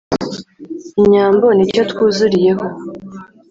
inyambo ni icyo twuzuriyeho